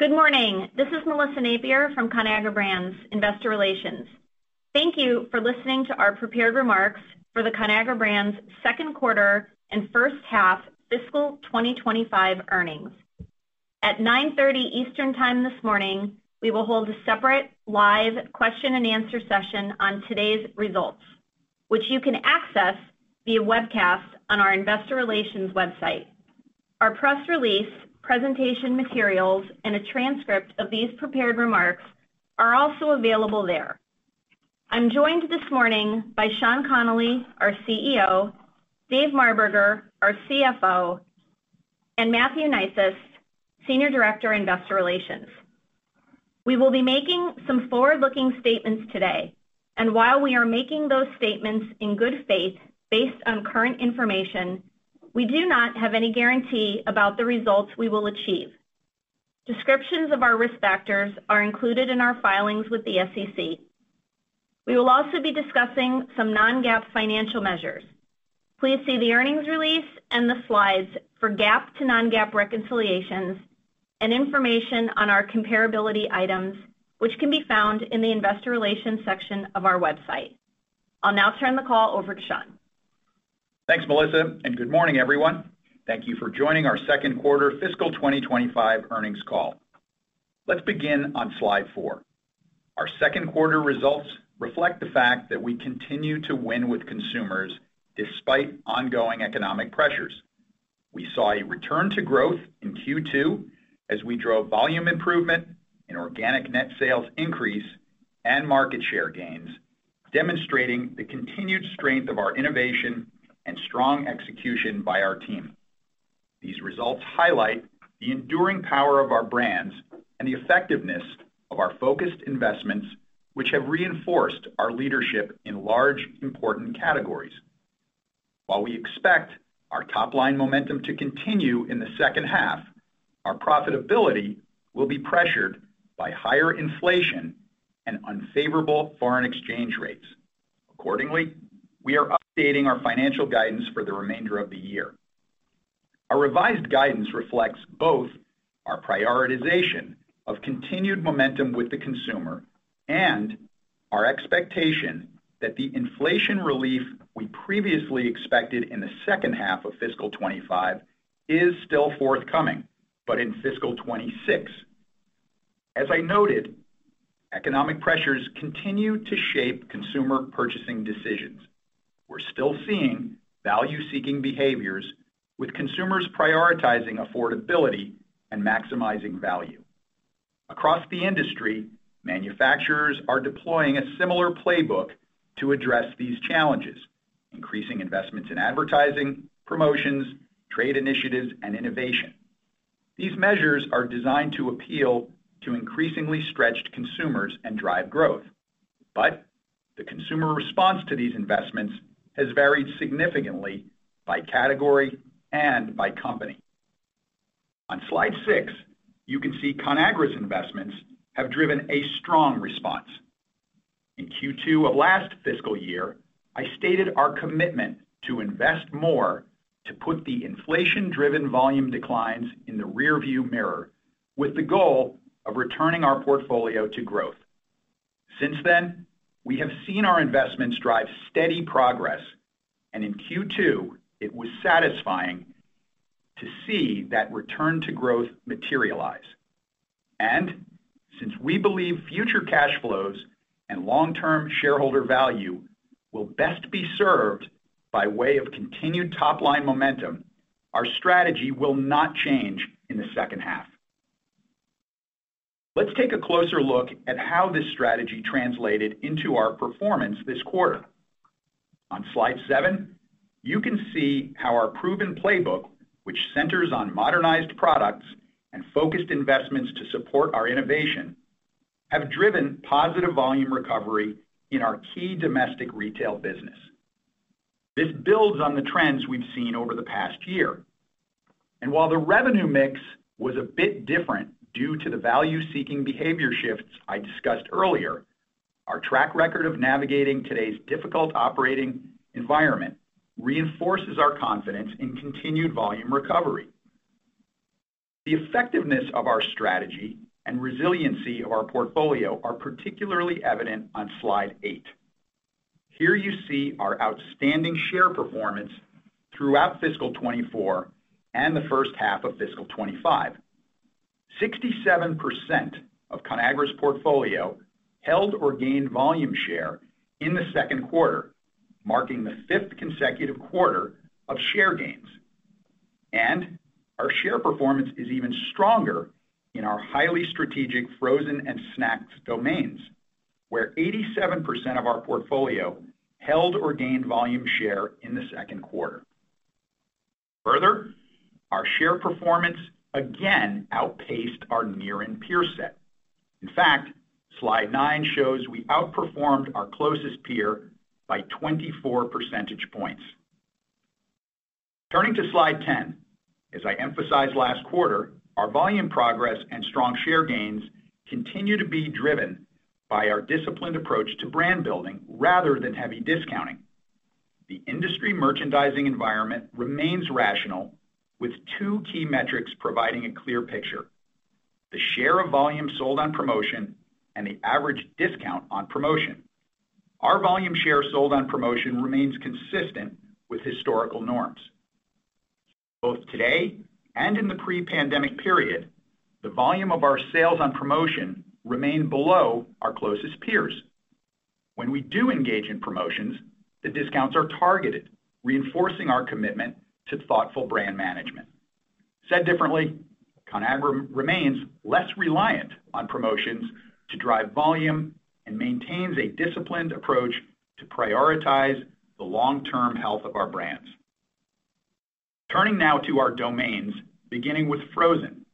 Good morning. This is Melissa Napier from Conagra Brands Investor Relations. Thank you for listening to our prepared remarks for the Conagra Brands second quarter and first half fiscal 2025 earnings. At 9:30 A.M. Eastern Time this morning, we will hold a separate live question-and-answer session on today's results, which you can access via webcast on our Investor Relations website. Our press release, presentation materials, and a transcript of these prepared remarks are also available there. I'm joined this morning by Sean Connolly, our CEO, Dave Marberger, our CFO, and Matthew Neisius, Senior Director of Investor Relations. We will be making some forward-looking statements today, and while we are making those statements in good faith based on current information, we do not have any guarantee about the results we will achieve. Descriptions of our risk factors are included in our filings with the SEC. We will also be discussing some non-GAAP financial measures. Please see the earnings release and the slides for GAAP to non-GAAP reconciliations and information on our comparability items, which can be found in the Investor Relations section of our website. I'll now turn the call over to Sean. Thanks, Melissa, and good morning, everyone. Thank you for joining our second quarter fiscal 2025 earnings call. Let's begin on slide four. Our second quarter results reflect the fact that we continue to win with consumers despite ongoing economic pressures. We saw a return to growth in Q2 as we drove volume improvement, an organic net sales increase, and market share gains, demonstrating the continued strength of our innovation and strong execution by our team. These results highlight the enduring power of our brands and the effectiveness of our focused investments, which have reinforced our leadership in large, important categories. While we expect our top-line momentum to continue in the second half, our profitability will be pressured by higher inflation and unfavorable foreign exchange rates. Accordingly, we are updating our financial guidance for the remainder of the year. Our revised guidance reflects both our prioritization of continued momentum with the consumer and our expectation that the inflation relief we previously expected in the second half of fiscal 2025 is still forthcoming, but in fiscal 2026. As I noted, economic pressures continue to shape consumer purchasing decisions. We're still seeing value-seeking behaviors, with consumers prioritizing affordability and maximizing value. Across the industry, manufacturers are deploying a similar playbook to address these challenges, increasing investments in advertising, promotions, trade initiatives, and innovation. These measures are designed to appeal to increasingly stretched consumers and drive growth, but the consumer response to these investments has varied significantly by category and by company. On slide six, you can see Conagra's investments have driven a strong response. In Q2 of last fiscal year, I stated our commitment to invest more to put the inflation-driven volume declines in the rearview mirror with the goal of returning our portfolio to growth. Since then, we have seen our investments drive steady progress, and in Q2, it was satisfying to see that return to growth materialize, and since we believe future cash flows and long-term shareholder value will best be served by way of continued top-line momentum, our strategy will not change in the second half. Let's take a closer look at how this strategy translated into our performance this quarter. On slide seven, you can see how our proven playbook, which centers on modernized products and focused investments to support our innovation, has driven positive volume recovery in our key domestic retail business. This builds on the trends we've seen over the past year. While the revenue mix was a bit different due to the value-seeking behavior shifts I discussed earlier, our track record of navigating today's difficult operating environment reinforces our confidence in continued volume recovery. The effectiveness of our strategy and resiliency of our portfolio are particularly evident on slide eight. Here you see our outstanding share performance throughout fiscal 24 and the first half of fiscal 25. 67% of Conagra's portfolio held or gained volume share in the second quarter, marking the fifth consecutive quarter of share gains. Our share performance is even stronger in our highly strategic frozen and snacked domains, where 87% of our portfolio held or gained volume share in the second quarter. Further, our share performance again outpaced our peer set. In fact, slide nine shows we outperformed our closest peer by 24 percentage points. Turning to slide 10, as I emphasized last quarter, our volume progress and strong share gains continue to be driven by our disciplined approach to brand building rather than heavy discounting. The industry merchandising environment remains rational, with two key metrics providing a clear picture: the share of volume sold on promotion and the average discount on promotion. Our volume share sold on promotion remains consistent with historical norms. Both today and in the pre-pandemic period, the volume of our sales on promotion remained below our closest peers. When we do engage in promotions, the discounts are targeted, reinforcing our commitment to thoughtful brand management. Said differently, Conagra remains less reliant on promotions to drive volume and maintains a disciplined approach to prioritize the long-term health of our brands. Turning now to our domains, beginning with frozen,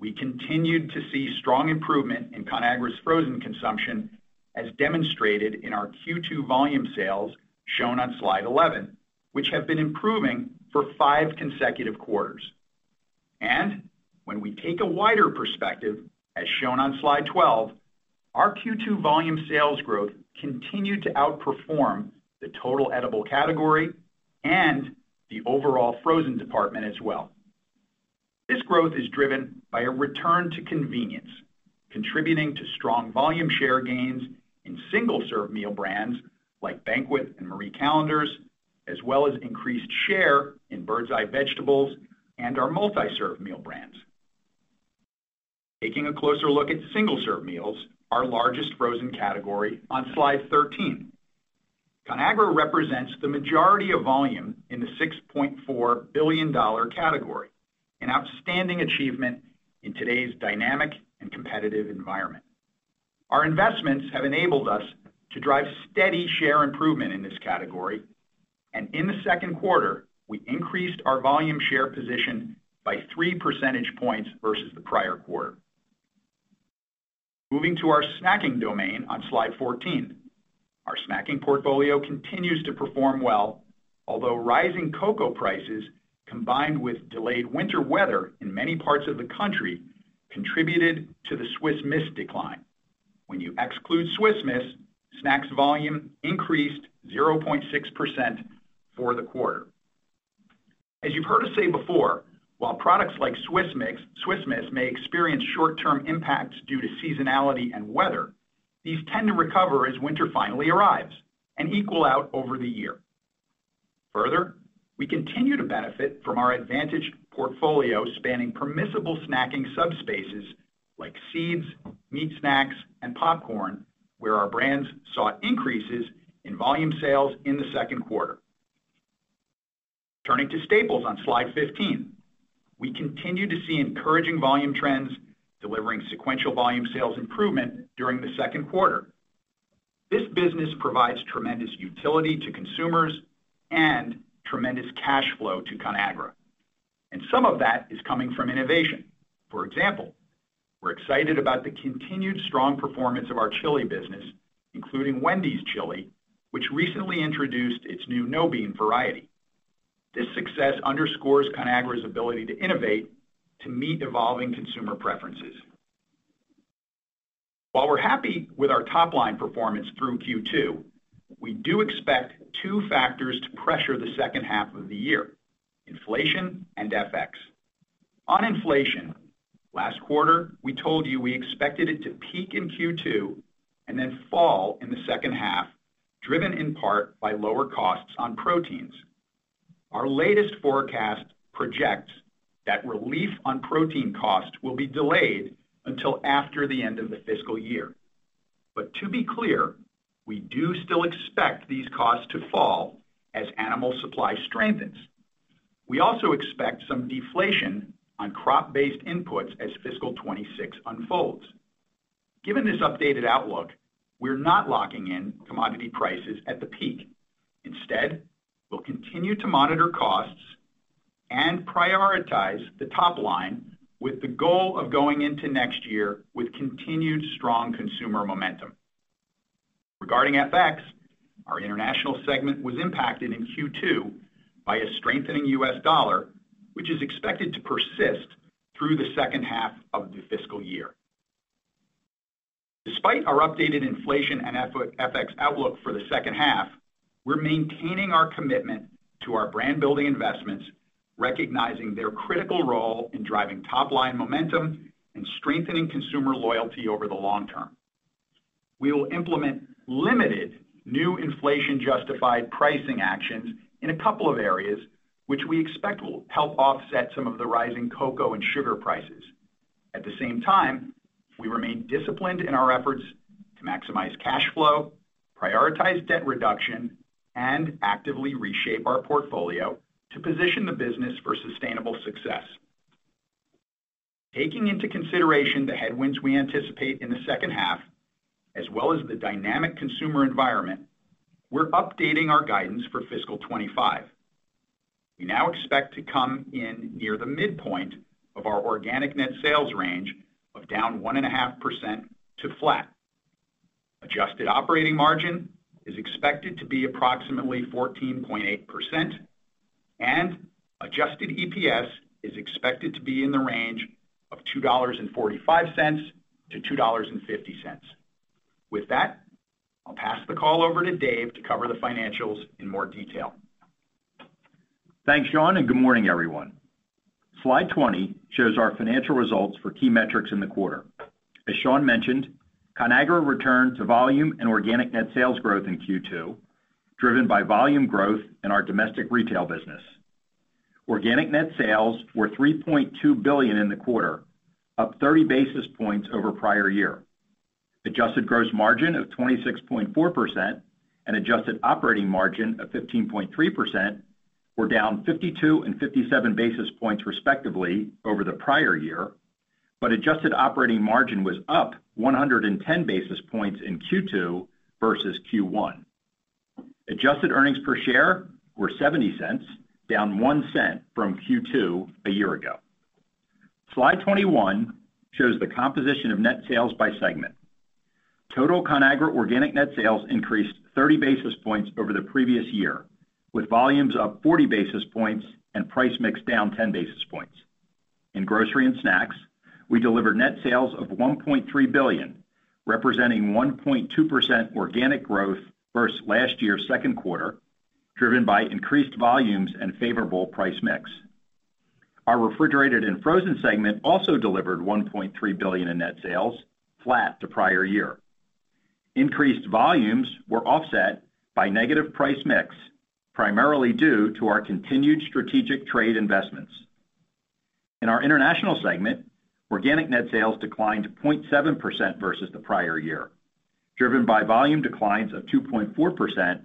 we continued to see strong improvement in Conagra's frozen consumption, as demonstrated in our Q2 volume sales shown on slide 11, which have been improving for five consecutive quarters. When we take a wider perspective, as shown on slide 12, our Q2 volume sales growth continued to outperform the total edible category and the overall frozen department as well. This growth is driven by a return to convenience, contributing to strong volume share gains in single-serve meal brands like Banquet and Marie Callender's, as well as increased share in Birds Eye vegetables and our multi-serve meal brands. Taking a closer look at single-serve meals, our largest frozen category. On slide 13, Conagra represents the majority of volume in the $6.4 billion category, an outstanding achievement in today's dynamic and competitive environment. Our investments have enabled us to drive steady share improvement in this category, and in the second quarter, we increased our volume share position by three percentage points versus the prior quarter. Moving to our snacking domain on slide 14, our snacking portfolio continues to perform well, although rising cocoa prices, combined with delayed winter weather in many parts of the country, contributed to the Swiss Miss decline. When you exclude Swiss Miss, snacks volume increased 0.6% for the quarter. As you've heard us say before, while products like Swiss Miss may experience short-term impacts due to seasonality and weather, these tend to recover as winter finally arrives and equal out over the year. Further, we continue to benefit from our advantaged portfolio spanning permissible snacking subspaces like seeds, meat snacks, and popcorn, where our brands saw increases in volume sales in the second quarter. Turning to staples on slide 15, we continue to see encouraging volume trends, delivering sequential volume sales improvement during the second quarter. This business provides tremendous utility to consumers and tremendous cash flow to Conagra, and some of that is coming from innovation. For example, we're excited about the continued strong performance of our chili business, including Wendy's Chili, which recently introduced its new no-bean variety. This success underscores Conagra's ability to innovate to meet evolving consumer preferences. While we're happy with our top-line performance through Q2, we do expect two factors to pressure the second half of the year: inflation and FX. On inflation, last quarter, we told you we expected it to peak in Q2 and then fall in the second half, driven in part by lower costs on proteins. Our latest forecast projects that relief on protein costs will be delayed until after the end of the fiscal year. But to be clear, we do still expect these costs to fall as animal supply strengthens. We also expect some deflation on crop-based inputs as fiscal 26 unfolds. Given this updated outlook, we're not locking in commodity prices at the peak. Instead, we'll continue to monitor costs and prioritize the top line with the goal of going into next year with continued strong consumer momentum. Regarding FX, our international segment was impacted in Q2 by a strengthening U.S. dollar, which is expected to persist through the second half of the fiscal year. Despite our updated inflation and FX outlook for the second half, we're maintaining our commitment to our brand-building investments, recognizing their critical role in driving top-line momentum and strengthening consumer loyalty over the long term. We will implement limited new inflation-justified pricing actions in a couple of areas, which we expect will help offset some of the rising cocoa and sugar prices. At the same time, we remain disciplined in our efforts to maximize cash flow, prioritize debt reduction, and actively reshape our portfolio to position the business for sustainable success. Taking into consideration the headwinds we anticipate in the second half, as well as the dynamic consumer environment, we're updating our guidance for fiscal 2025. We now expect to come in near the midpoint of our organic net sales range of down 1.5% to flat. Adjusted operating margin is expected to be approximately 14.8%, and adjusted EPS is expected to be in the range of $2.45-$2.50. With that, I'll pass the call over to Dave to cover the financials in more detail. Thanks, Sean, and good morning, everyone. Slide 20 shows our financial results for key metrics in the quarter. As Sean mentioned, Conagra returned to volume and organic net sales growth in Q2, driven by volume growth in our domestic retail business. Organic net sales were $3.2 billion in the quarter, up 30 basis points over prior year. Adjusted gross margin of 26.4% and adjusted operating margin of 15.3% were down 52 and 57 basis points, respectively, over the prior year, but adjusted operating margin was up 110 basis points in Q2 versus Q1. Adjusted earnings per share were $0.70, down $0.01 from Q2 a year ago. Slide 21 shows the composition of net sales by segment. Total Conagra organic net sales increased 30 basis points over the previous year, with volumes up 40 basis points and price mix down 10 basis points. In grocery and snacks, we delivered net sales of $1.3 billion, representing 1.2% organic growth versus last year's second quarter, driven by increased volumes and favorable price mix. Our refrigerated and frozen segment also delivered $1.3 billion in net sales, flat to prior year. Increased volumes were offset by negative price mix, primarily due to our continued strategic trade investments. In our international segment, organic net sales declined 0.7% versus the prior year, driven by volume declines of 2.4%,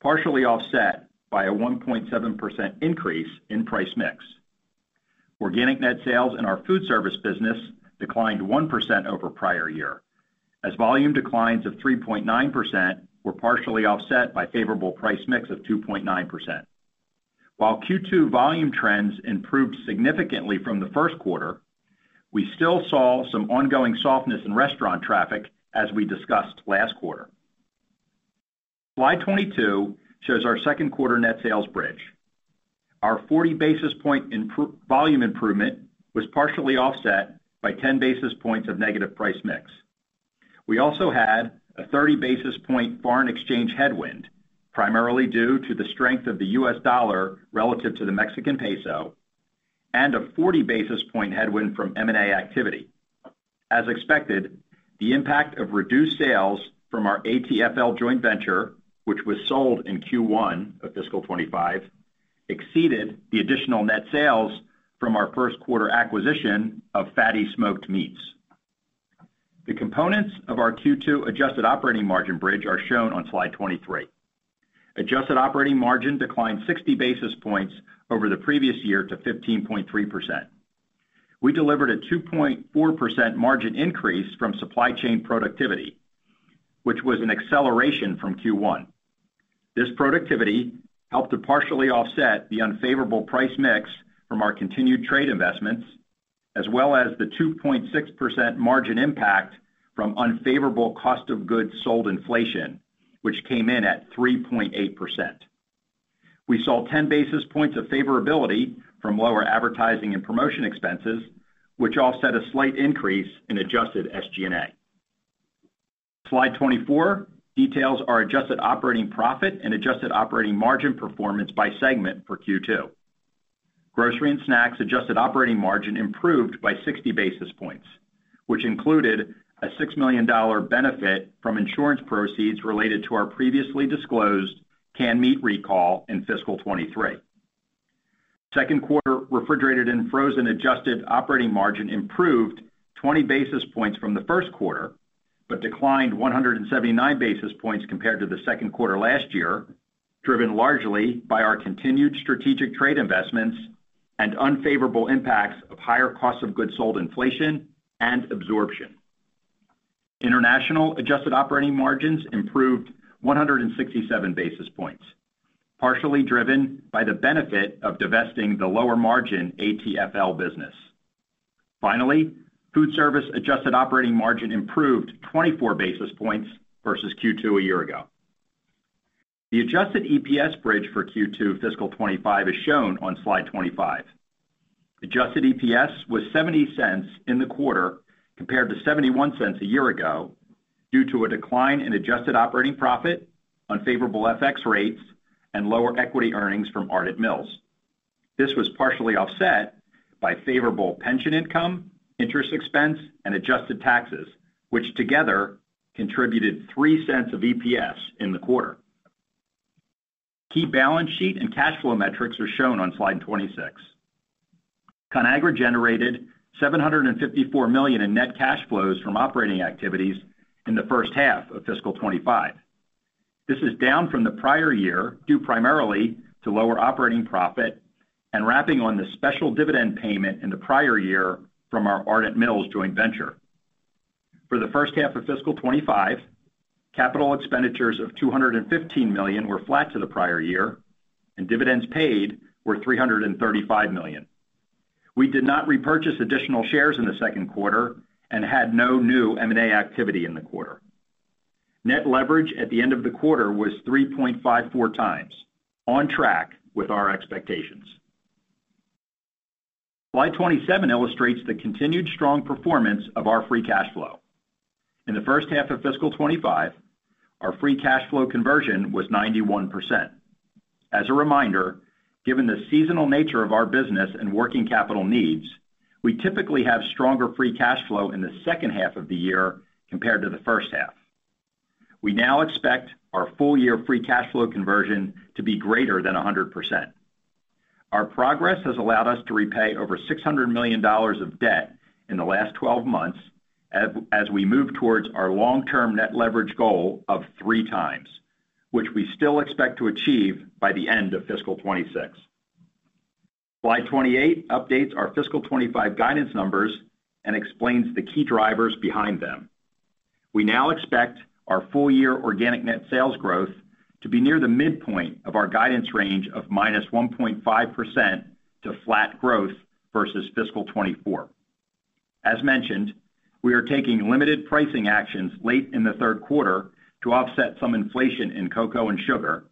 partially offset by a 1.7% increase in price mix. Organic net sales in our food service business declined 1% over prior year, as volume declines of 3.9% were partially offset by favorable price mix of 2.9%. While Q2 volume trends improved significantly from the first quarter, we still saw some ongoing softness in restaurant traffic, as we discussed last quarter. Slide 22 shows our second quarter net sales bridge. Our 40 basis point volume improvement was partially offset by 10 basis points of negative price mix. We also had a 30 basis point foreign exchange headwind, primarily due to the strength of the U.S. dollar relative to the Mexican peso, and a 40 basis point headwind from M&A activity. As expected, the impact of reduced sales from our ATFL joint venture, which was sold in Q1 of fiscal 2025, exceeded the additional net sales from our first quarter acquisition of Fatty Smoked Meats. The components of our Q2 adjusted operating margin bridge are shown on slide 23. Adjusted operating margin declined 60 basis points over the previous year to 15.3%. We delivered a 2.4% margin increase from supply chain productivity, which was an acceleration from Q1. This productivity helped to partially offset the unfavorable price mix from our continued trade investments, as well as the 2.6% margin impact from unfavorable cost of goods sold inflation, which came in at 3.8%. We saw 10 basis points of favorability from lower advertising and promotion expenses, which offset a slight increase in adjusted SG&A. Slide 24 details our adjusted operating profit and adjusted operating margin performance by segment for Q2. Grocery and snacks adjusted operating margin improved by 60 basis points, which included a $6 million benefit from insurance proceeds related to our previously disclosed canned meat recall in fiscal 2023. Second quarter refrigerated and frozen adjusted operating margin improved 20 basis points from the first quarter, but declined 179 basis points compared to the second quarter last year, driven largely by our continued strategic trade investments and unfavorable impacts of higher cost of goods sold inflation and absorption. International adjusted operating margins improved 167 basis points, partially driven by the benefit of divesting the lower margin ATFL business. Finally, food service adjusted operating margin improved 24 basis points versus Q2 a year ago. The adjusted EPS bridge for Q2 fiscal 25 is shown on slide 25. Adjusted EPS was $0.70 in the quarter compared to $0.71 a year ago due to a decline in adjusted operating profit, unfavorable FX rates, and lower equity earnings from Ardent Mills. This was partially offset by favorable pension income, interest expense, and adjusted taxes, which together contributed $0.03 of EPS in the quarter. Key balance sheet and cash flow metrics are shown on slide 26. Conagra generated $754 million in net cash flows from operating activities in the first half of fiscal 25. This is down from the prior year due primarily to lower operating profit and wrapping on the special dividend payment in the prior year from our Ardent Mills joint venture. For the first half of fiscal 25, capital expenditures of $215 million were flat to the prior year, and dividends paid were $335 million. We did not repurchase additional shares in the second quarter and had no new M&A activity in the quarter. Net leverage at the end of the quarter was 3.54 times, on track with our expectations. Slide 27 illustrates the continued strong performance of our free cash flow. In the first half of fiscal 25, our free cash flow conversion was 91%. As a reminder, given the seasonal nature of our business and working capital needs, we typically have stronger free cash flow in the second half of the year compared to the first half. We now expect our full-year free cash flow conversion to be greater than 100%. Our progress has allowed us to repay over $600 million of debt in the last 12 months as we move towards our long-term net leverage goal of three times, which we still expect to achieve by the end of fiscal 2026. Slide 28 updates our fiscal 2025 guidance numbers and explains the key drivers behind them. We now expect our full-year organic net sales growth to be near the midpoint of our guidance range of -1.5% to flat growth versus fiscal 2024. As mentioned, we are taking limited pricing actions late in the third quarter to offset some inflation in cocoa and sugar,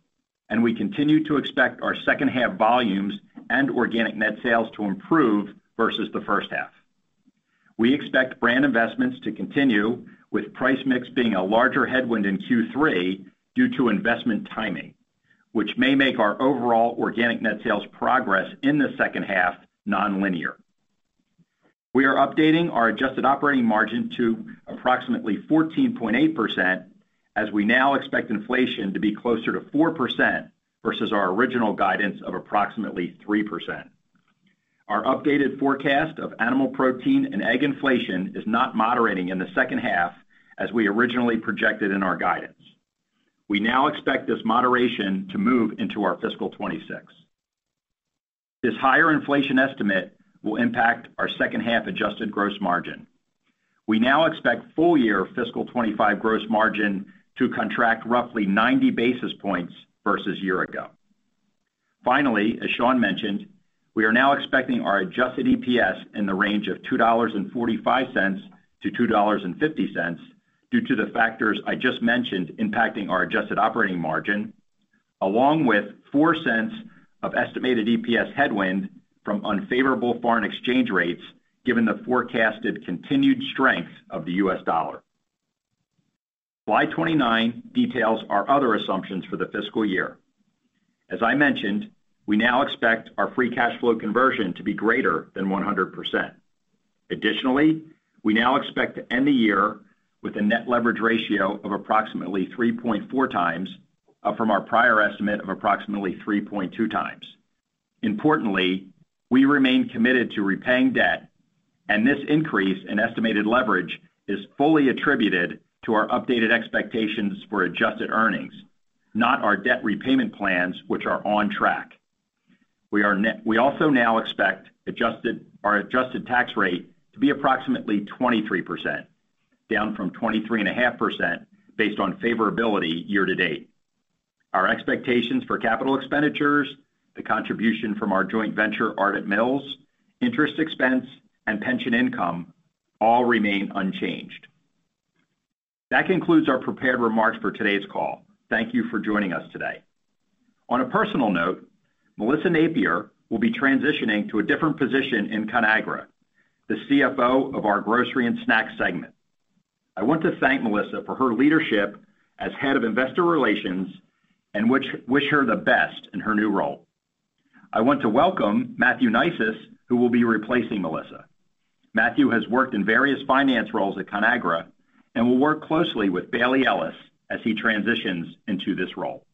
and we continue to expect our second half volumes and organic net sales to improve versus the first half. We expect brand investments to continue, with price mix being a larger headwind in Q3 due to investment timing, which may make our overall organic net sales progress in the second half nonlinear. We are updating our adjusted operating margin to approximately 14.8% as we now expect inflation to be closer to 4% versus our original guidance of approximately 3%. Our updated forecast of animal protein and egg inflation is not moderating in the second half as we originally projected in our guidance. We now expect this moderation to move into our fiscal 2026. This higher inflation estimate will impact our second half adjusted gross margin. We now expect full-year fiscal 2025 gross margin to contract roughly 90 basis points versus a year ago. Finally, as Sean mentioned, we are now expecting our adjusted EPS in the range of $2.45-$2.50 due to the factors I just mentioned impacting our adjusted operating margin, along with $0.04 of estimated EPS headwind from unfavorable foreign exchange rates, given the forecasted continued strength of the U.S. dollar. Slide 29 details our other assumptions for the fiscal year. As I mentioned, we now expect our free cash flow conversion to be greater than 100%. Additionally, we now expect to end the year with a net leverage ratio of approximately 3.4 times, up from our prior estimate of approximately 3.2 times. Importantly, we remain committed to repaying debt, and this increase in estimated leverage is fully attributed to our updated expectations for adjusted earnings, not our debt repayment plans, which are on track. We also now expect our adjusted tax rate to be approximately 23%, down from 23.5% based on favorability year to date. Our expectations for capital expenditures, the contribution from our joint venture Ardent Mills, interest expense, and pension income all remain unchanged. That concludes our prepared remarks for today's call. Thank you for joining us today. On a personal note, Melissa Napier will be transitioning to a different position in Conagra, the CFO of our grocery and snacks segment. I want to thank Melissa for her leadership as head of investor relations and wish her the best in her new role. I want to welcome Matthew Neisius, who will be replacing Melissa. Matthew has worked in various finance roles at Conagra and will work closely with Bayle Ellis as he transitions into this role.